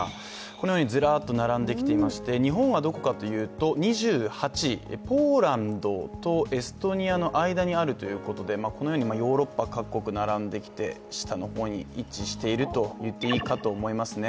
このようにずらっと並んできていまして日本はどこかといいますと２８位、ポーランドとエストニアの間にあるということでこのようにヨーロッパ各国並んできて、下の方に位置していると言っていいかと思います。